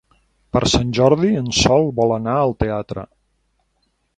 Per Sant Jordi en Sol vol anar al teatre.